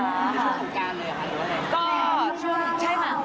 ช่วงโครงการเลยค่ะหรือว่าไง